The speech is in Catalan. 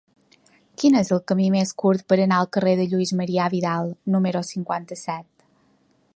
Quin és el camí més curt per anar al carrer de Lluís Marià Vidal número cinquanta-set?